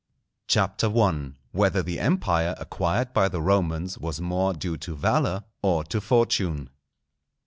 CHAPTER I.—Whether the Empire acquired by the Romans was more due to Valour or to Fortune.